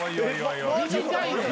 短いねん！